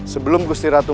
sebelum gusti ratu